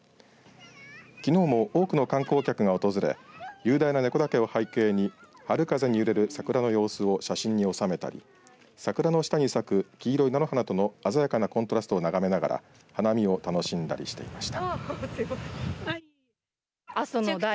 きのうも多くの観光客が訪れ雄大な根子岳を背景に春風に揺れる桜の様子を写真に収めたり桜の下に咲く黄色い菜の花との鮮やかなコンスコントラストを眺めながら花見を楽しんだりしていました。